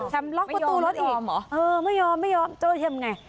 แชมล็อกประตูรถอีกไม่ยอมไม่ยอมเออไม่ยอมไม่ยอมเจ้าเห็นไง